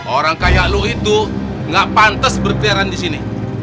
orang kayak lu itu gak pantes berkejaran di sini